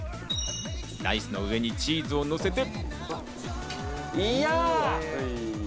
ライスの上にチーズをのせて。